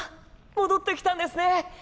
戻ってきたんですね。